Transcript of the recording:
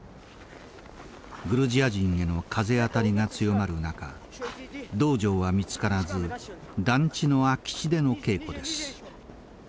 グルジア人への風当たりが強まる中道場は見つからず団地の空き地での稽古です。